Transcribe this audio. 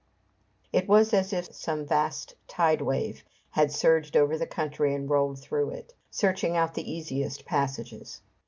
It was as if some vast tide wave had surged over the country and rolled through it, searching out the easiest passages.